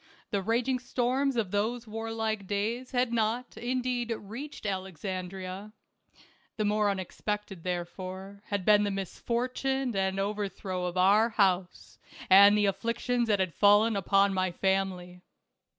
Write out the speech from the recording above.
The raging storms of those warlike days had not, indeed, reached Alexandria ; the more unexpected, therefore, had been the misfortune and overthrow of our house and the afflictions that had fallen upon my family.